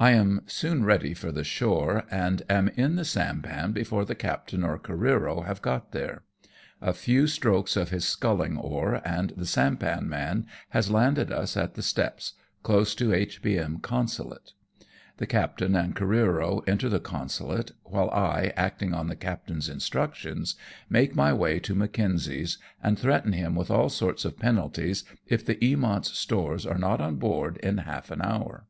I am soon ready for the shore, and am in the sampan before the captain or Careero have got there. A few strokes of his sculling oar and the sampan man has landed us at the steps, close to H.B.M. Consulate. The captain and Careero enter the Consulate, while I, acting on the captain's instructions, make my way to Mackenzie's, and threaten him with all sorts of penalties if the Eamont's stores are not on board in half an hour.